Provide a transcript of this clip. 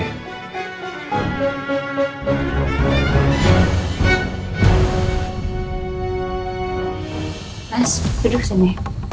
mas duduk sini